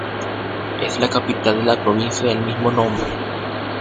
Es la capital de la provincia del mismo nombre.